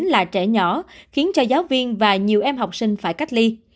là trẻ nhỏ khiến cho giáo viên và nhiều em học sinh phải cách ly